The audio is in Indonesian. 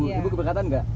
ibu keberatan nggak